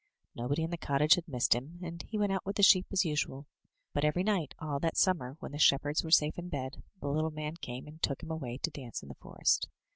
Nobody in the cottage had missed him, and he went out with the sheep as usual; but every night all that simimer, when the shepherds were safe in bed, the little man came and took him away to dance in the forest.